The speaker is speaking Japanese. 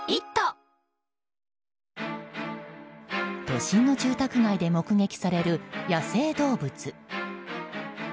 都心の住宅街で目撃される野生動物。